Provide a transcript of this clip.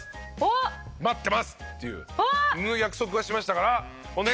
待ってます！っていう約束はしましたから。